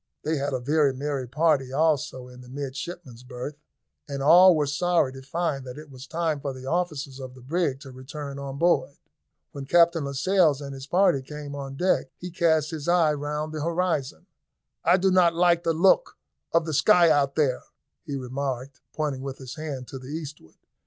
They had a very merry party also in the midshipmen's berth, and all were sorry to find that it was time for the officers of the brig to return on board. When Captain Lascelles and his party came on deck he cast his eye round the horizon. "I do not like the look of the sky out there," he remarked, pointing with his hand to the eastward.